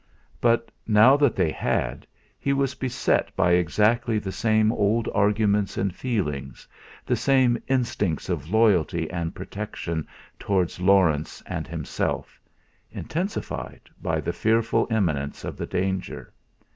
But, now that they had, he was beset by exactly the same old arguments and feelings, the same instincts of loyalty and protection towards Laurence and himself, intensified by the fearful imminence of the danger.